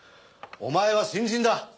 お前は新人だ。